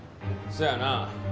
そやな。